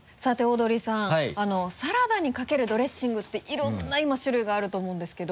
サラダにかけるドレッシングっていろんな今種類があると思うんですけど。